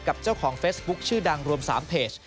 กับเจ้าของเฟซบุ๊คชื่อดังรวม๓เพจ